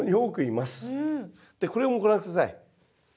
でこれをご覧下さい。